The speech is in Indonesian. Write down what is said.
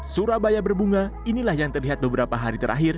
surabaya berbunga inilah yang terlihat beberapa hari terakhir